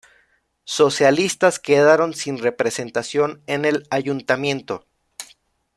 Socialistas quedaron sin representación en el ayuntamiento.